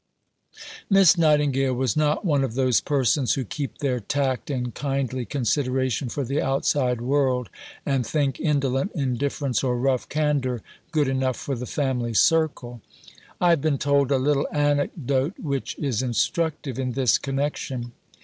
Miss Nightingale was not one of those persons who keep their tact and kindly consideration for the outside world and think indolent indifference or rough candour good enough for the family circle. I have been told a little anecdote which is instructive in this connection.